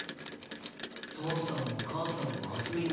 父さんも母さんも明日海も